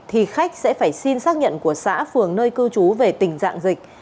thì khách sẽ phải xin xác nhận của xã phường nơi cư trú về tình trạng dịch